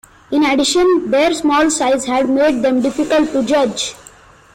In addition, their small size has made them difficult to judge.